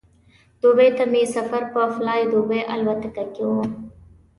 دوبۍ ته مې سفر په فلای دوبۍ الوتکه کې و.